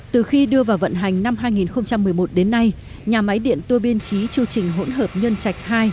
từ khi đưa vào vận hành năm hai nghìn một mươi một đến nay nhà máy điện tua biên khí chu trình hỗn hợp nhân trạch hai